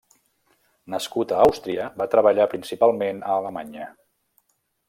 Nascut a Àustria, va treballar principalment a Alemanya.